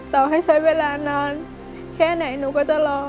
ต่อให้ใช้เวลานานแค่ไหนหนูก็จะรอ